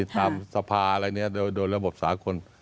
ตามสภาพหรือแบบนี้โดยระบบสาหกล